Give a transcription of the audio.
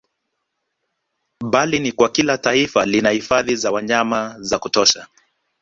Bali ni kwa kila taifa lina hifadhi za wanyama za kutosha